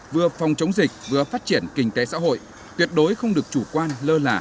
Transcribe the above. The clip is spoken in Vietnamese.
vừa phòng chống dịch vừa phát triển kinh tế xã hội tuyệt đối không được chủ quan lơ lả